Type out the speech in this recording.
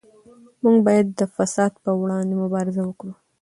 موږ باید د فساد پر وړاندې مبارزه وکړو.